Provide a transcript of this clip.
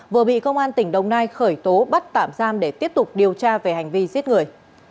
vừa bị công an tỉnh đồng nai khởi tố bắt tạm giam để tiếp tục điều tra về hành vi giết người